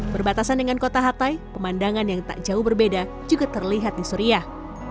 berbatasan dengan kota hatai pemandangan yang tak jauh berbeda juga terlihat di suriah